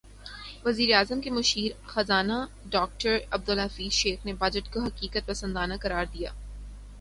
وزیراعظم کے مشیر خزانہ ڈاکٹر عبدالحفیظ شیخ نے بجٹ کو حقیقت پسندانہ قرار دیا